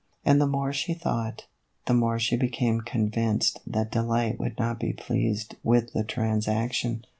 And the more she thought, the more she became convinced that Delight would not be pleased with the transaction.